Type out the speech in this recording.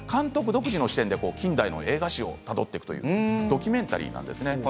独自の視点で現代の映画史をたどっていくというドキュメンタリーなんです。